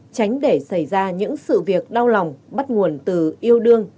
tránh để xảy ra những sự việc đau lòng bắt nguồn từ yêu đương